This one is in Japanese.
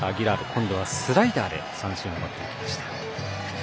今度はスライダーで三振を奪っていきました。